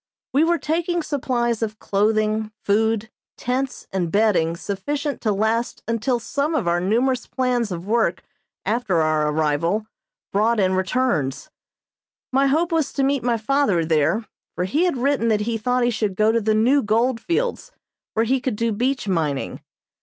We were taking supplies of clothing, food, tents and bedding sufficient to last until some of our numerous plans of work after our arrival brought in returns. My hope was to meet my father there, for he had written that he thought he should go to the new gold fields, where he could do beach mining.